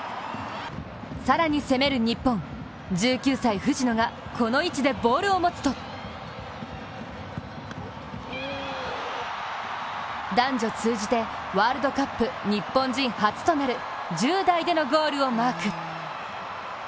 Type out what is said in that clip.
更に攻める日本、１１９歳・藤野が、この位置でボールを持つと男女通じてワールドカップ日本人初となる１０代でのゴールをマーク。